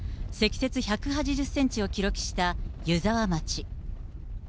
積雪１８０センチを記録した湯沢町。